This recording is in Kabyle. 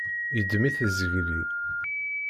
Yeddem-it zgelli.